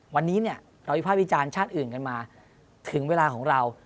วันนี้เนี่ยเราวิภาควิจารณ์ชาติอื่นกันมาถึงเวลาของเรา